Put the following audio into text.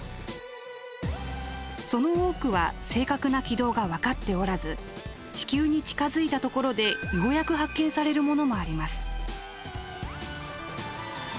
その多くは正確な軌道が分かっておらず地球に近づいたところでようやく発見されるものもあります。